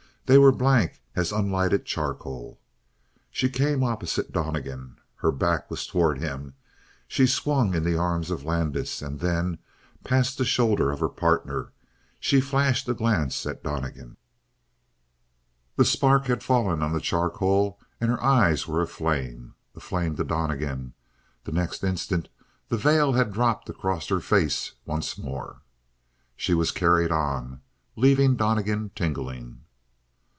They were blank as unlighted charcoal. She came opposite Donnegan, her back was toward him; she swung in the arms of Landis, and then, past the shoulder of her partner, she flashed a glance at Donnegan. The spark had fallen on the charcoal, and her eyes were aflame. Aflame to Donnegan; the next instant the veil had dropped across her face once more. She was carried on, leaving Donnegan tingling.